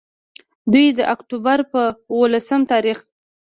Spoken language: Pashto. دوي د اکتوبر پۀ ولسم تاريخ